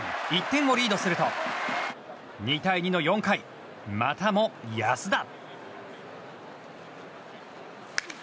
１点をリードすると２対２の４回またも安田。